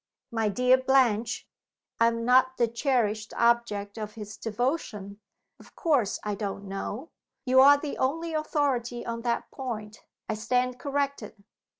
"My dear Blanche, I am not the cherished object of his devotion; of course I don't know! You are the only authority on that point. I stand corrected.